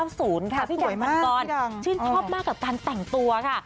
พี่ดังมากพี่ดังสวยมากชื่นชอบมากกับการแต่งตัวค่ะ